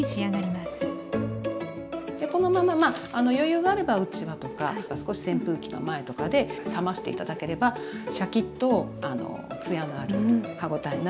このまままあ余裕があればうちわとか少し扇風機の前とかで冷まして頂ければシャキッと艶のある歯応えのあるおいしいすし飯になると。